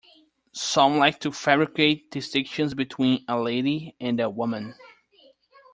Some like to fabricate distinctions between a lady and a woman.